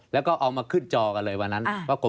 แล้วก็เอามาขึ้นจอกันเลยวันนั้น